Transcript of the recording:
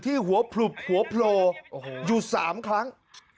ที่หัวผลุบหัวโพลหยุดสามครั้ง